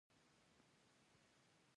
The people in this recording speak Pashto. د پښتنو په کور کې دسترخان تل هوار وي.